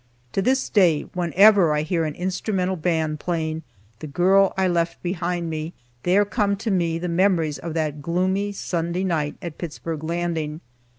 To this day, whenever I hear an instrumental band playing "The Girl I Left Behind Me," there come to me the memories of that gloomy Sunday night at Pittsburg Landing.